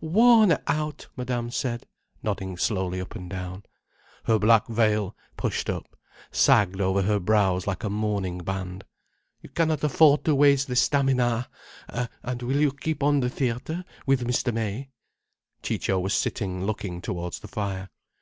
Worn out!" Madame said, nodding slowly up and down. Her black veil, pushed up, sagged over her brows like a mourning band. "You cannot afford to waste the stamina. And will you keep on the theatre—with Mr. May—?" Ciccio was sitting looking towards the fire.